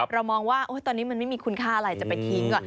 เรามองว่าตอนนี้มันไม่มีคุณค่าอะไรจะไปทิ้ง